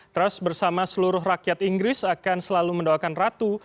trust bersama seluruh rakyat inggris akan selalu mendoakan ratu